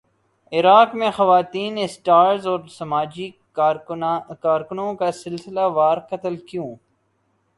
عراق میں خواتین اسٹارز اور سماجی کارکنوں کا سلسلہ وار قتل کیوں